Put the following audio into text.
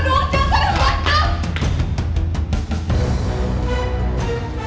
udah dong jangan sampai lewat om